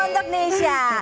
satu untuk nisha